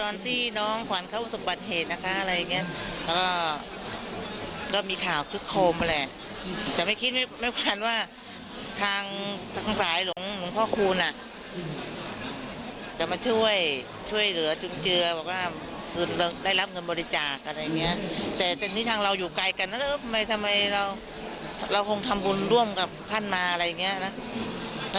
ร่วมกับท่านมาอะไรอย่างเงี้ยนะ